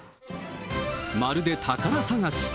まるで宝探し。